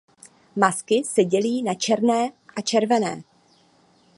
Masky se dělí na černé a červené.